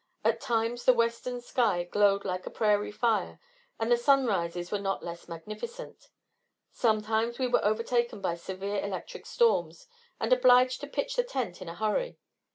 At times, the western sky glowed like a prairie fire; and the sunrises were not less magnificent. Sometimes, we were overtaken by severe electric storms, and obliged to pitch the tent in a hurry.